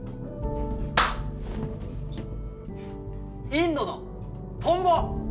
インドのトンボ！